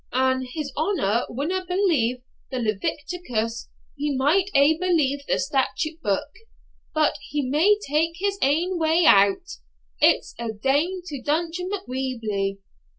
An his honour winna believe the Leviticus, he might aye believe the Statute book; but he may tak his ain way o't; it's a' ane to Duncan Macwheeble.